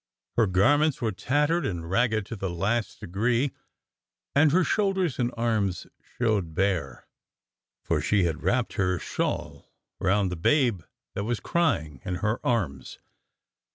Her garments were tattered and ragged to the last degree, and her shoulders and arms showed bare, for she had wrapped her shawl round the babe 202 DOCTOR SYN that was crying in her arms.